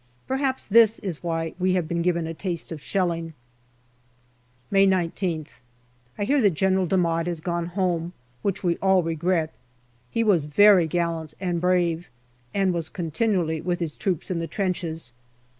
Perhaps this is why we have been given a taste of shelh'ng. May 19th. I hear that General D'Amade has gone home, which we all regret. He was very gallant and brave, and was continually with his troops in the trenches.